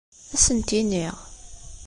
Ad asent-iniɣ.